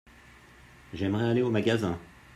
J'aimerais aller au magasin.